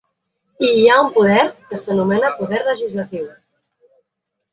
I hi ha un poder que s’anomena poder legislatiu.